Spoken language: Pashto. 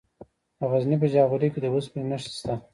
د غزني په جاغوري کې د اوسپنې نښې شته.